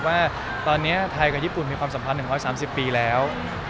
ว่าตอนนี้ไทยกับญี่ปุ่นมีความสัมพันธ์๑๓๐ปีแล้ว